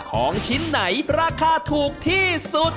ของชิ้นไหนราคาถูกที่สุด